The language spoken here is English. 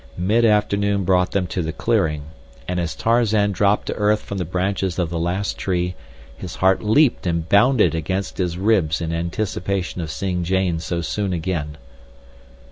Mid afternoon brought them to the clearing, and as Tarzan dropped to earth from the branches of the last tree his heart leaped and bounded against his ribs in anticipation of seeing Jane so soon again.